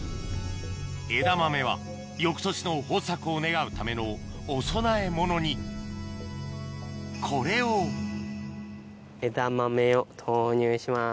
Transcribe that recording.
エダマメは翌年の豊作を願うためのお供え物にこれをエダマメを投入します。